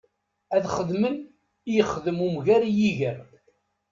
Ad xedmen i yexdem umger i yiger.